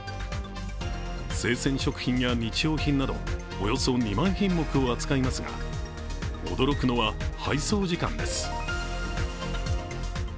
生鮮食品や日用品などおよそ２万品目を扱いますが驚くのは、配送時間です。